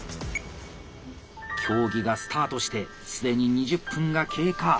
競技がスタートして既に２０分が経過。